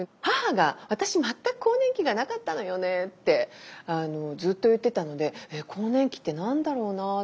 母が「私全く更年期がなかったのよね」ってずっと言ってたので「更年期って何だろうな？